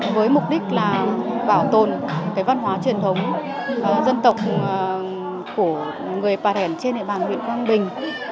với mục đích là bảo tồn cái văn hóa truyền thống dân tộc của người bà thẻn trên địa bàn huyện quang bình